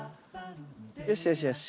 よしよしよし。